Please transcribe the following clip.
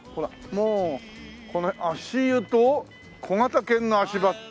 もうこの辺「足湯と小型犬の足場」。